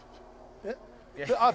えっ？